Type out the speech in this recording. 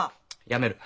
やめる。